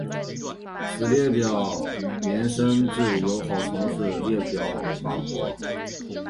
此列表延伸至友好城市列表法国。